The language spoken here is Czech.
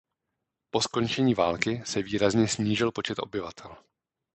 Po skončení války se výrazně snížil počet obyvatel.